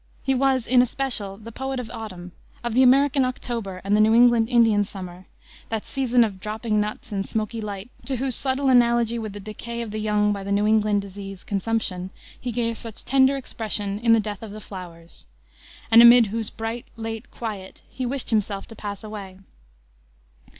He was, in especial, the poet of autumn, of the American October and the New England Indian Summer, that season of "dropping nuts" and "smoky light," to whose subtle analogy with the decay of the young by the New England disease, consumption, he gave such tender expression in the Death of the Flowers; and amid whose "bright, late quiet," he wished himself to pass away.